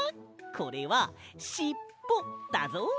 これはしっぽだぞ。